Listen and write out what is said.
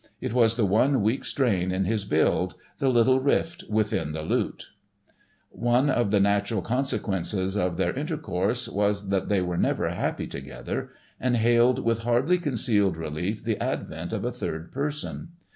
It was the one weak strain in his build, "the little rift within the lute." One of the natural consequences of their intercourse was that they were never happy together and hailed with hardly concealed relief the advent of a third person.